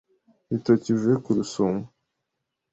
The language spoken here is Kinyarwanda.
Ibitoki bivuye ku Rusumo,